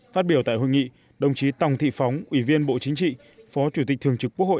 phát biểu tại hội nghị đồng chí tòng thị phóng ủy viên bộ chính trị phó chủ tịch thường trực quốc hội